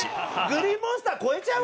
グリーンモンスター越えちゃう？